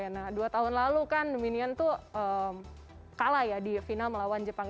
nah dua tahun lalu kan minion tuh kalah ya di final melawan jepang